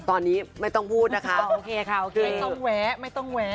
ตอนนี้ไม่ต้องพูดนะคะคุณคุณว้ายประมาณอื่นไม่ต้องแวะ